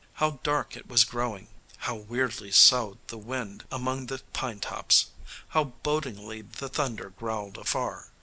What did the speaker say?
How dark it was growing! how weirdly soughed the wind among the pine tops! how bodingly the thunder growled afar!